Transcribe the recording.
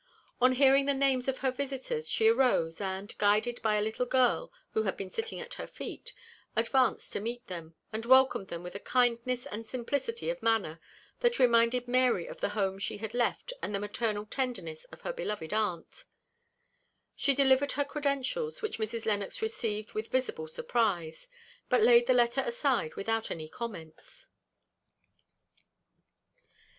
On hearing the names of her visitors, she arose, and, guided by a little girl, who had been sitting at her feet, advanced to meet them, and welcomed them with a kindness and simplicity of manner that reminded Mary of the home she had left and the maternal tenderness of her beloved aunt. She delivered her credentials, which Mrs. Lennox received with visible surprise; but laid the letter aside without any comments.